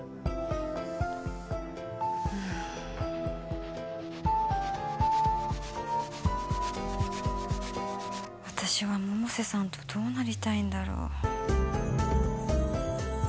うん私は百瀬さんとどうなりたいんだろう